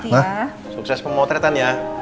nah sukses pemotretan ya